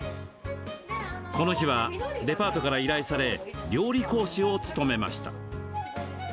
この日はデパートから依頼され料理講師を務めました。